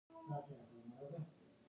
د فراه په لاش او جوین کې د وسپنې نښې شته.